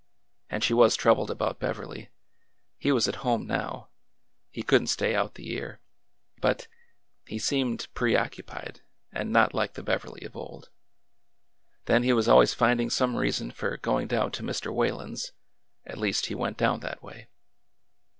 And she was troubled about Beverly. He was at home now. He could n't stay out the year. But — he seemed preoccupied, and not like the Beverly of old. Then he was always finding some reason for going down to Mr. Whalen's — at least he went down that way.